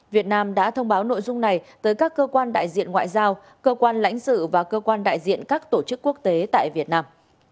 việt nam đã thông báo nội dung này tới các cơ quan đại diện ngoại giao cơ quan lãnh sự và cơ quan đại diện các tổ chức quốc tế tại việt nam